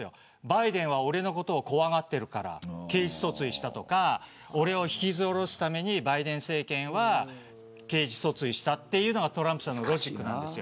バイデンは俺のことを怖がってるから刑事訴追したとか引きずり下ろすためにバイデン政権は刑事訴追したというのがトランプさんのロジックです。